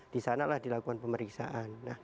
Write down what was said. di sanalah dilakukan pemeriksaan